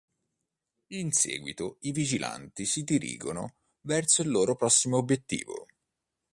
In seguito i vigilanti si dirigono verso il loro prossimo obiettivo.